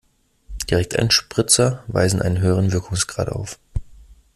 Direkteinspritzer weisen einen höheren Wirkungsgrad auf.